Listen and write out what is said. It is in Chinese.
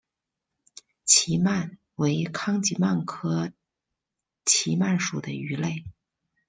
奇鳗为康吉鳗科奇鳗属的鱼类。